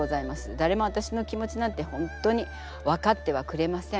だれもわたしの気持ちなんて本当に分かってはくれません。